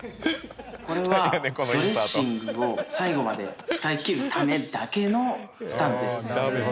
これはドレッシングを最後まで使いきるためだけのスタンドです。